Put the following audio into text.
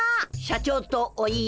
社長とお言い。